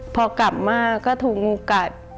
พอกลับมาก็ถูกงูกัด